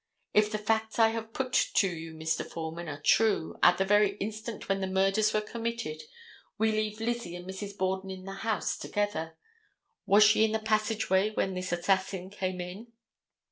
If the facts I have put to you, Mr. Foreman, are true, at the very instant when the murders were committed we leave Lizzie and Mrs. Borden in the house together. Was she in the passageway when this assassin came in?